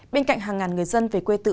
bên cạnh hàng ngàn người dân về quê tự